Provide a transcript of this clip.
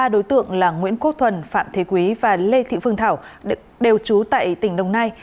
ba đối tượng là nguyễn quốc thuần phạm thế quý và lê thị phương thảo đều trú tại tỉnh đồng nai